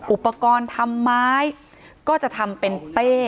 อุปกรณ์ทำไม้ก็จะทำเป็นเป้